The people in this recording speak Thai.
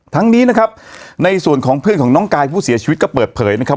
ทั้งนี้นะครับในส่วนของเพื่อนของน้องกายผู้เสียชีวิตก็เปิดเผยนะครับ